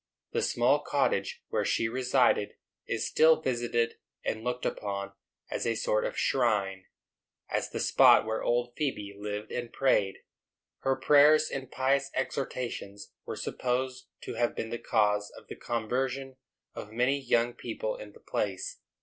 The small cottage where she resided is still visited and looked upon as a sort of shrine, as the spot where old Phebe lived and prayed. Her prayers and pious exhortations were supposed to have been the cause of the conversion of many young people in the place.